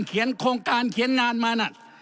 เขียนโครงการเขียนงานมา